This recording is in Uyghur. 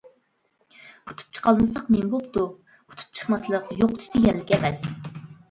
ئۇتۇپ چىقالمىساق نېمە بوپتۇ. ئۇتۇپ چىقماسلىق يوقىتىش دېگەنلىك ئەمەس.